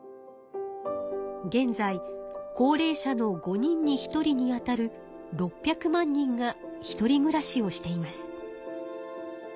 現在高齢者の５人に１人に当たる６００万人がひとり暮らしをしています。